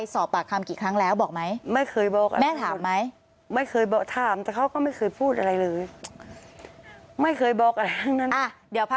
สักครู่ค่ะ